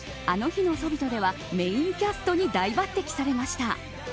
あの日のソビトではメインキャストに大抜てきされました。